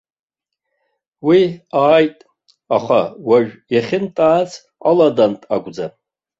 Уи ааит, аха уажә иахьынтәааз аладантә акәӡам.